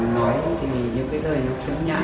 nói thì những cái lời nó khiếm nhãn